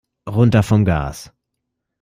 Runter vom Gas!